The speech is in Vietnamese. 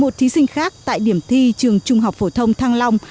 một thí sinh khác tại điểm thi trường trung học phổ thông thăng long